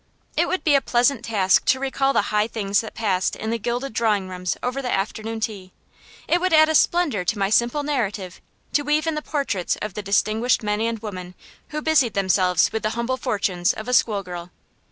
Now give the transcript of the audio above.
It would be a pleasant task to recall the high things that passed in the gilded drawing rooms over the afternoon tea. It would add a splendor to my simple narrative to weave in the portraits of the distinguished men and women who busied themselves with the humble fortunes of a school girl.